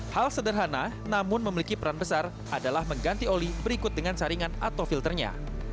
hal sederhana namun memiliki peran besar adalah mengganti oli berikut dengan saringan atau filternya